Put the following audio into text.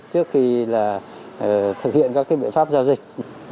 trước khi thực hiện các biện pháp giao dịch